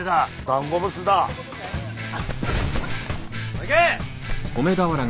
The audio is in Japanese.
行け！